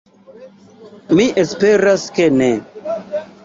Mi esperas ke ne.